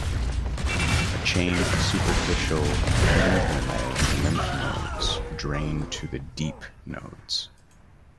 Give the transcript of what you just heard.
A chain of superficial inguinal lymph nodes drain to the deep nodes.